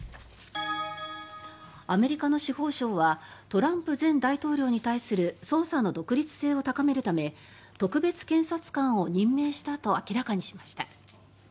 アメリカの司法省はトランプ前大統領に対する捜査の独立性を高めるため特別検察官を任命したと明らかにしました。